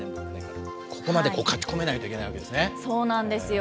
ここまで書き込めないといけないわけですね。